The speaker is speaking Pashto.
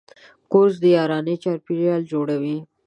کورس د یارانې چاپېریال جوړوي.